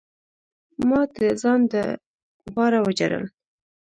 ما د ځان د پاره وجړل.